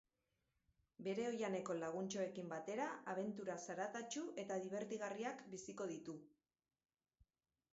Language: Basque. Bere oihaneko laguntxoekin batera abentura zaratatsu eta dibertigarriak biziko ditu.